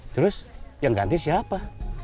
terus yang ganti siapa